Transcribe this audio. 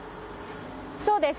そうです。